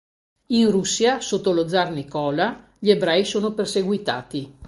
In Russia, sotto lo zar Nicola, gli ebrei sono perseguitati.